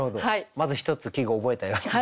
まず１つ季語覚えたよっていう。